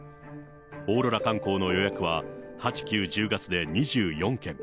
オーロラ観光の予約は８、９、１０月で２４件。